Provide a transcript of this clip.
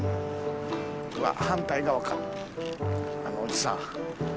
うわ反対側かあのおじさん。